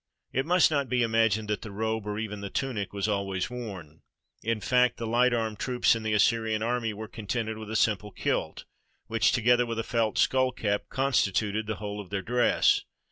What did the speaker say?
It must not be imagined that the robe or even the tunic was always worn. In fact, the light armed troops in the Assyrian army were contented with a simple kilt, which, together with a felt skull cap, constituted the whole of their dress.